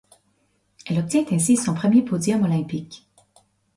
Elle obtient ainsi son premier podium olympique.